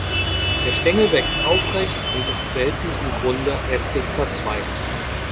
Der Stängel wächst aufrecht und ist selten am Grunde ästig verzweigt.